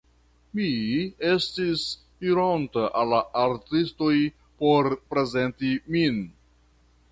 Mi estis ironta al la artistoj por prezenti min.